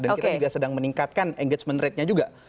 dan kita juga sedang meningkatkan engagement ratenya juga